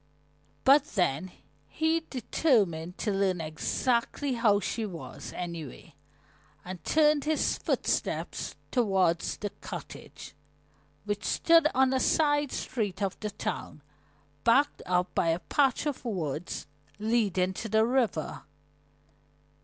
But then he determined to learn exactly how she was, anyway, and turned his footsteps toward the cottage, which stood on a side street of the town, backed up by a patch of woods leading to the river.